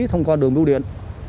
thông qua đường lưu điện